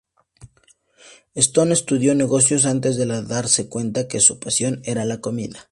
Stone estudió Negocios antes de darse cuenta que su pasión era la comida.